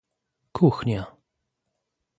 Kuchnia